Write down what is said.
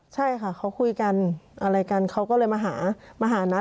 ใช่ค่ะเขาคุยกันอะไรกันเขาก็เลยมาหามาหานัท